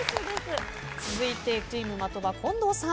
続いてチーム的場近藤さん。